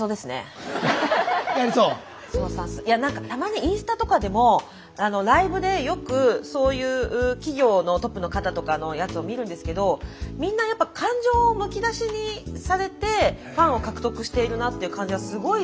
いや何かたまにインスタとかでもライブでよくそういう企業のトップの方とかのやつを見るんですけどみんなやっぱ感情をむき出しにされてファンを獲得しているなっていう感じがすごいあるんですよね。